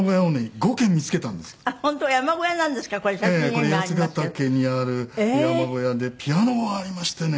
これ八ヶ岳にある山小屋でピアノがありましてね。